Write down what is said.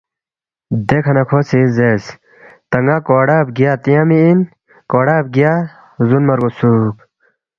دیکھہ نہ کھو سی زیرس، تا ن٘ا کوڑا بگیا تیانگمی اِن، کوڑا بگیا زُونما رگوسُوک